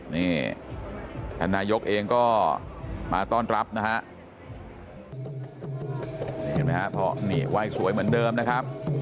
นี่ท่านนายกเอก็มาต้อนรับนะฮะ